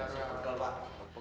saya pegel pak